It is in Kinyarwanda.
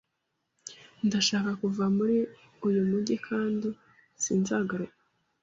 Ndashaka kuva muri uyu mujyi kandi sinzagaruka.